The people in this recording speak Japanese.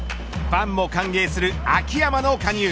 ファンも歓迎する秋山の加入。